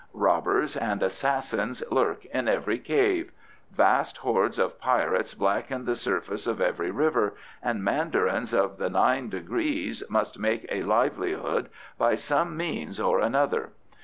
Robbers and assassins lurk in every cave; vast hoards of pirates blacken the surface of every river; and mandarins of the nine degrees must make a livelihood by some means or other.